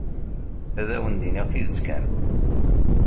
Ad awen-d-iniɣ tidet kan.